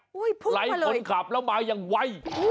ไล่คนขับแล้วมาอย่างไว